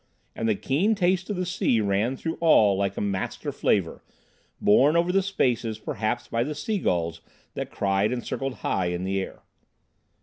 And the keen taste of the sea ran through all like a master flavour, borne over the spaces perhaps by the seagulls that cried and circled high in the air.